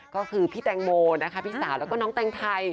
ก็คือพี่แตงโมนะคะพี่สาวแล้วก็น้องแตงไทย